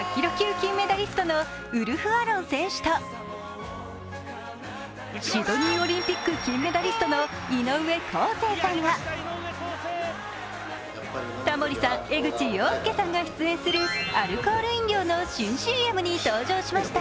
金メダリストウルフ・アロン選手とシドニーオリンピック金メダリストの井上康生さんがタモリさん、江口洋介さんが出演するアルコール飲料の新ＣＭに登場しました。